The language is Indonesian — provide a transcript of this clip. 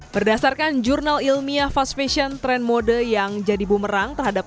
berdasarkan jurnal ilmiah fast fashion trend mode yang jadi bumerang terhadap